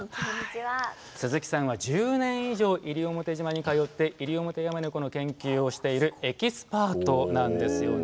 鈴木さんは１０年以上西表島に通ってイリオモテヤマネコの研究をしているエキスパートなんですよね。